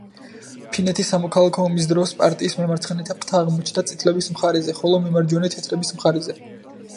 ფინეთის სამოქალაქო ომის დროს პარტიის მემარცხენე ფრთა აღმოჩნდა წითლების მხარეზე, ხოლო მემარჯვენე თეთრების მხარეზე.